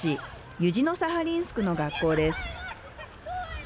ユジノサハリンスクの学校です。